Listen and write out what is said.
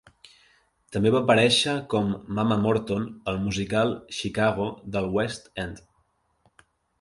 També va aparèixer com Mama Morton al musical "Chicago" del West End.